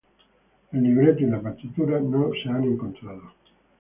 El libreto y la partitura no han sido encontrados.